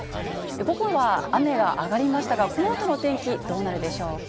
午後は雨が上がりましたが、このあとの天気、どうなるでしょうか。